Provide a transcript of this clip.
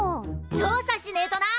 調査しねえとな。